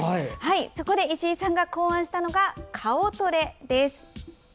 そこで石井さんが考案したのが顔トレです。